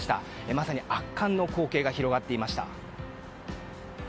まさに圧巻の光景が広がっていました。